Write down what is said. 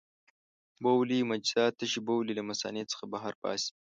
بولي مجرا تشې بولې له مثانې څخه بهر باسي.